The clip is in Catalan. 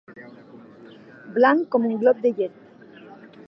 Blanc com un glop de llet.